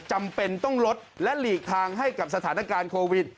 จำเป็นต้องลดและหลีกทางให้กับสถานการณ์โควิด